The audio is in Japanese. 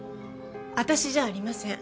私じゃありません。